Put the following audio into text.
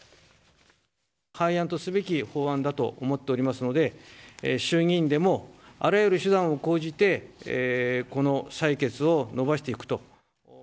廃案とすべき法案だと思っておりますので、衆議院でもあらゆる手段を講じて、この採決を延ばしていくと。